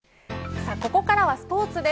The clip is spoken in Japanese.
さあ、ここからはスポーツです。